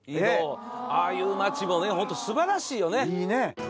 ああいう町もねホント素晴らしいよね。